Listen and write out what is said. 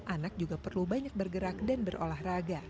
anak juga perlu banyak bergerak dan berolahraga